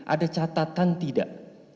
ada catatan tidak